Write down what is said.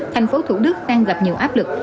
tp hcm đang gặp nhiều áp lực